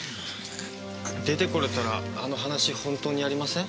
出てこれたらあの話本当にやりません？